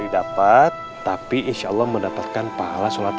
didapat tapi insya allah mendapatkan pahala sholat